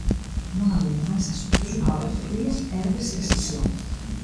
Non habendo máis asuntos na orde do día, érguese a sesión.